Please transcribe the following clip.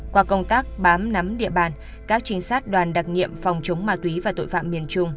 qua công tác bám nắm địa bàn các trinh sát đoàn đặc nhiệm phòng chống ma túy và tội phạm miền trung